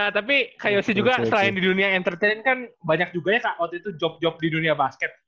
tapi kak yosi juga selain di dunia entertain kan banyak juga ya kak waktu itu job job di dunia basket